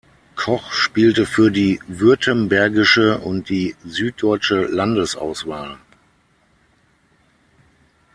Koch spielte für die württembergische und die süddeutsche Landesauswahl.